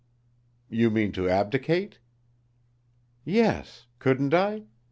"You mean to abdicate?" "Yes, couldn't I?